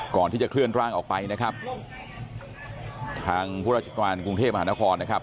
ก่อนที่จะเคลื่อนร่างออกไปนะครับทางผู้ราชการกรุงเทพมหานครนะครับ